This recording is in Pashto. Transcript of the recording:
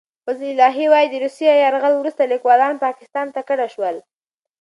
فضل الهي وايي، د روسي یرغل وروسته لیکوالان پاکستان ته کډه شول.